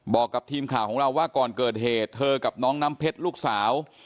บอกกับทีมข่าวของเราว่าก่อนเกิดเหตุเธอกับน้องน้ำเพชรลูกสาว